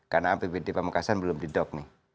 karena apbd pak mekasan belum didok